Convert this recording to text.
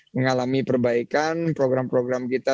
mengalami perbaikan program program kita